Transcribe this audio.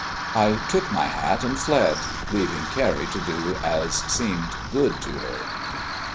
I took my hat and fled, leaving Carrie to do as seemed good to her.